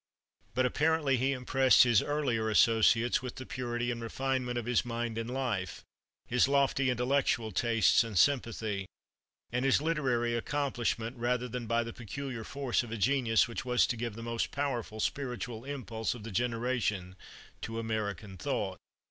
But apparently he impressed his earlier associates with the purity and refinement of his mind and life, his lofty intellectual tastes and sympathy, and his literary accomplishment, rather than by the peculiar force of a genius which was to give the most powerful spiritual impulse of the generation to American thought.